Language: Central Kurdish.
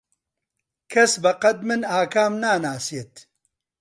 کەس بەقەد من ئاکام ناناسێت.